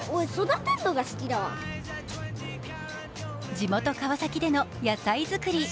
地元・川崎での野菜作り。